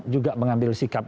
juga mengambil sikap